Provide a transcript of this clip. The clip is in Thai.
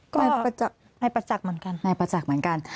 ก็ให้ประจักษ์เหมือนกัน